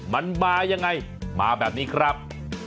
มันมายังไงมาแบบนี้ครับ